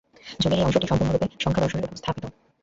যোগের এই অংশটি সম্পূর্ণরূপে সাংখ্যদর্শনের উপর স্থাপিত।